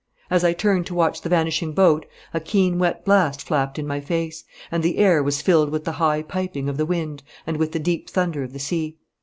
As I turned to watch the vanishing boat a keen wet blast flapped in my face, and the air was filled with the high piping of the wind and with the deep thunder of the sea.